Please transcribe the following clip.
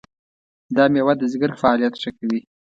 دا مېوه د ځیګر فعالیت ښه کوي.